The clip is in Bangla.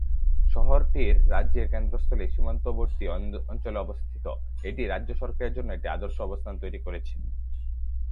শহরটি রাজ্যের কেন্দ্রস্থলে সীমান্তবর্তী অঞ্চলে অবস্থিত, এটি রাজ্য সরকারের জন্য একটি আদর্শ অবস্থান তৈরি করেছে।